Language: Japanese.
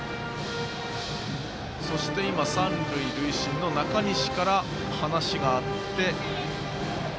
そして今、三塁塁審の中西から話があって。